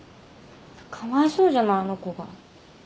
かわいそうじゃないあの子が。